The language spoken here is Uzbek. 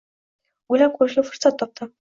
O`ylab ko`rishga fursat topdim